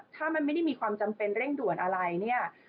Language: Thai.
ถ้ามันไม่ได้มีความจำเป็นเร่งด่วนอะไรเนี่ย